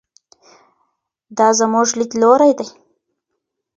دا زموږ لیدلوری دی.